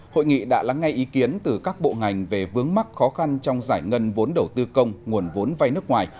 hội nghị đã lắng ngay ý kiến từ các bộ ngành về vướng mắc khó khăn trong giải ngân vốn đầu tư công nguồn vốn vai nước ngoài